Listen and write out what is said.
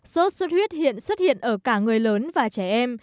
sốt xuất huyết hiện xuất hiện ở cả người lớn và trẻ em